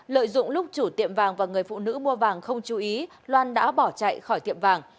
lợi dụng lúc chủ tiệm vàng và người phụ nữ mua vàng không chú ý loan đã bỏ chạy khỏi tiệm vàng